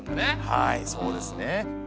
はいそうですね。